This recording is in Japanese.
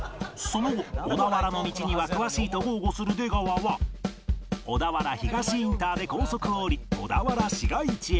その後小田原の道には詳しいと豪語する出川は小田原東インターで高速を降り小田原市街地へ